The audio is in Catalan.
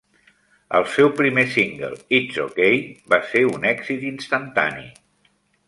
El seu primer single, "It's ok", va ser un èxit instantani.